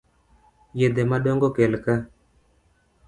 Yedhe modong'o kelka.